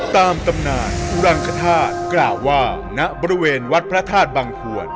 ตำนานอุรังคธาตุกล่าวว่าณบริเวณวัดพระธาตุบังพวน